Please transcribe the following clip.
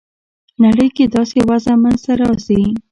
نړۍ کې داسې وضع منځته راسي.